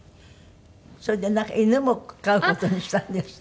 それでなんか犬も飼う事にしたんですって？